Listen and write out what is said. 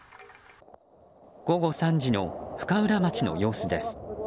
午後３時の深浦町の様子です。